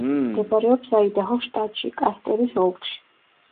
მდებარეობს აიდაჰოს შტატში, კასტერის ოლქში.